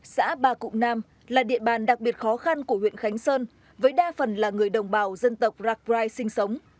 xã ba cụm nam là địa bàn đặc biệt khó khăn của huyện khánh sơn với đa phần là người đồng bào dân tộc racrai sinh sống